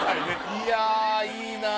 いやぁいいなぁ。